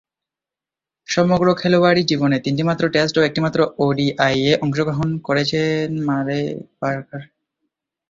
সমগ্র খেলোয়াড়ী জীবনে তিনটিমাত্র টেস্ট ও একটিমাত্র ওডিআইয়ে অংশগ্রহণ করেছেন মারে পার্কার।